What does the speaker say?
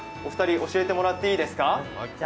教えてもらっていいですか？